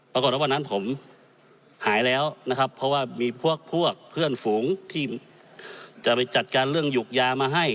วันนั้นผมหายแล้วนะครับเพราะว่ามีพวกเพื่อนฝูงที่จะไปจัดการเรื่องหยุกยามาให้